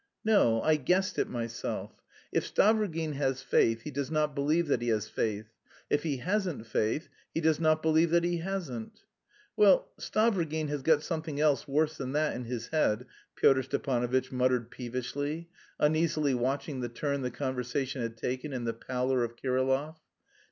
"No, I guessed it myself: if Stavrogin has faith, he does not believe that he has faith. If he hasn't faith, he does not believe that he hasn't." "Well, Stavrogin has got something else worse than that in his head," Pyotr Stepanovitch muttered peevishly, uneasily watching the turn the conversation had taken and the pallor of Kirillov.